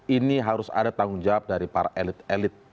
ini harus ada tanggung jawab dari para elit elit